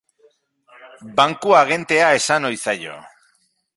Banku agentea esan ohi zaio.